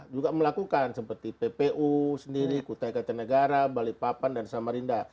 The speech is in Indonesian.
juga melakukan seperti ppu sendiri kuta eka tenegara balipapan dan samarinda